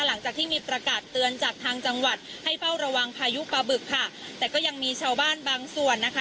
หลังจากที่มีประกาศเตือนจากทางจังหวัดให้เฝ้าระวังพายุปลาบึกค่ะแต่ก็ยังมีชาวบ้านบางส่วนนะคะ